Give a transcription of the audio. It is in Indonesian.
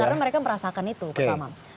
karena mereka merasakan itu pertama